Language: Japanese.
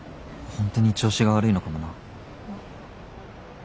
本当に調子が悪いのかもな。